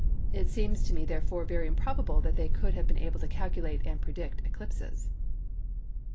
It seems to me therefore very improbable that they could have been able to calculate and predict eclipses."